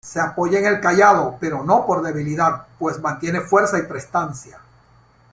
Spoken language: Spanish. Se apoya en el cayado, pero no por debilidad, pues mantiene fuerza y prestancia.